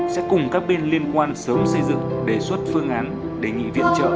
sẽ cùng các bên liên quan sớm xây dựng đề xuất phương án đề nghị viện trợ